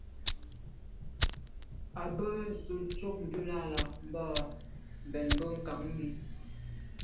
A be z’o tshob ndùlàlà mb’o bèn mbe nkagni.